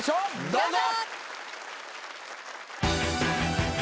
どうぞ！